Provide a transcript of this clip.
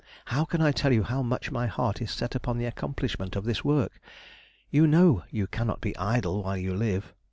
How can I tell you how much my heart is set upon the accomplishment of this work?... You know you cannot be idle while you live.